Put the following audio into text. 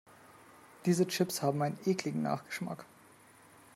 Diese Chips haben einen ekligen Nachgeschmack.